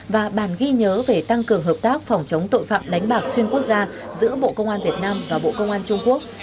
và bàn ghi nhớ về tăng cường hợp tác phòng chống tội phạm đánh bạc xuyên quốc gia giữa bộ công an việt nam và bộ công an trung quốc